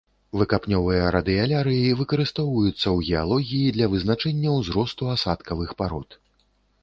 Выкапнёвыя радыялярыі выкарыстоўваюцца ў геалогіі для вызначэння ўзросту асадкавых парод.